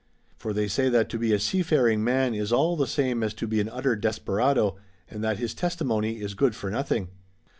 For they say that to be a seafaring man is all the same as to be an utter desperado, and that his testimony is good for nothing.